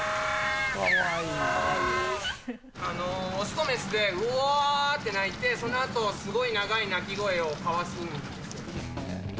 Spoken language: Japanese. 雄と雌でうおーって鳴いて、そのあと、すごい長い鳴き声を交わすんですよね。